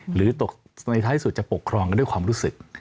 หรือตกในท้ายสุดจะปกครองกันด้วยความรู้สึก